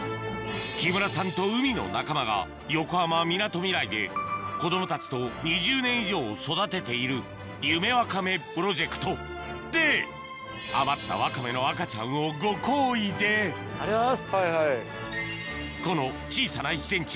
木村さんと海の仲間が横浜みなとみらいで子供たちと２０年以上育てている夢ワカメプロジェクトで余ったワカメの赤ちゃんをご厚意でありがとうございます！